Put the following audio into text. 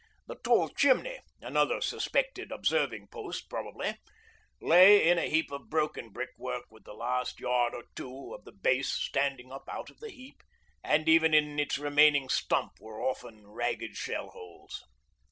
The tall chimney another suspected 'observing post' probably lay in a heap of broken brickwork with the last yard or two of the base standing up out of the heap, and even in its remaining stump were other ragged shell holes.